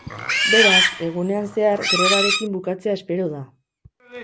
Beraz, egunean zehar grebarekin bukatzea espero da.